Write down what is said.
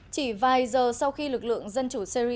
chỉ vài giờ sau khi lực lượng dân chủ syri